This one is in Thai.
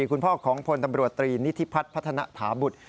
คุณพ่อของพลตำรวจตรีนิธิพัฒน์พัฒนาถาบุตร